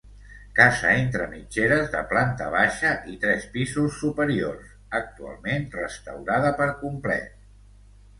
Casa entre mitgeres de planta baixa i tres pisos superiors, actualment restaurada per complet.